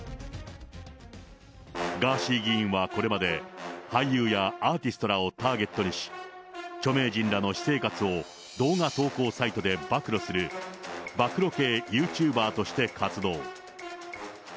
ガーシー議員はこれまで、俳優やアーティストらをターゲットにし、著名人らの私生活を動画投稿サイトで暴露する、暴露系ユーチューバーとして活動。